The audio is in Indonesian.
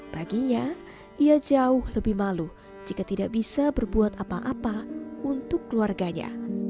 baginya ia jauh lebih malu jika tidak bisa berbuat apa apa untuk keluarganya